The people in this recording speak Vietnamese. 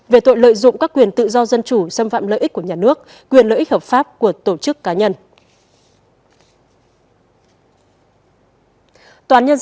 về tội lợi dụng các quyền tự do dân chủ xâm phạm lợi ích của nhà nước quyền lợi ích hợp pháp của tổ chức cá nhân